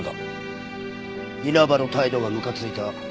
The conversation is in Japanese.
稲葉の態度がむかついた。